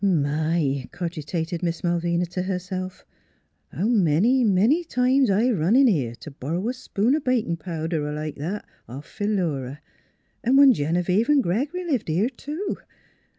"My!" cogitated Miss Malvina to herself, " how many, many times I've run in here t' bor row a spoon o' bakin' powder er like that off Philura; an* when Genevieve 'n' Greg'ry lived here, too.